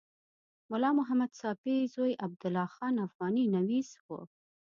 ملا محمد ساپي زوی عبدالله خان افغاني نویس و.